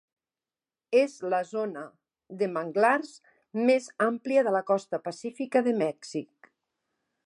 És la zona de manglars més àmplia de la costa pacífica de Mèxic.